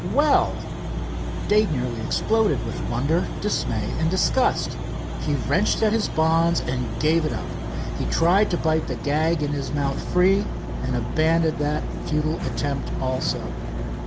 "Well!" Dave nearly exploded with wonder, dismay and disgust. He wrenched at his bonds, and gave it up. He tried to bite the gag in his mouth free, and abandoned that futile attempt also.